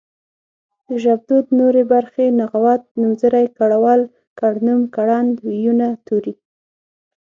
د ژبدود نورې برخې نغوت نومځری کړول کړنوم کړند وييونه توري